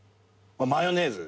マヨネーズ。